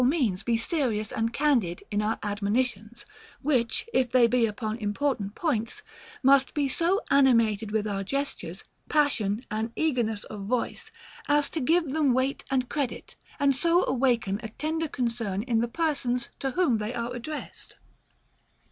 143 means be serious and candid in our admonitions ; which, if they be upon important points, must be so animated with our gestures, passion, and eagerness of voice, as to give them weight and credit and so awaken a tender con cern in the persons to whom they are addressed.